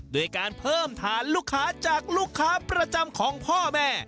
โดยการเพิ่มฐานลูกค้าจากลูกค้าประจำของพ่อแม่